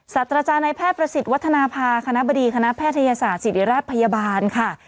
สัตว์อาจารย์ในแพทย์ประสิทธิ์วัฒนภาคณะบดีคณะแพทยศาสตร์ศิริราชพยาบาลค่ะ